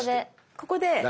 ここで。